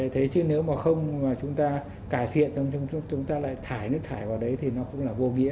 thế chứ nếu mà không mà chúng ta cải thiện xong chúng ta lại thải nước thải vào đấy thì nó cũng là vô nghĩa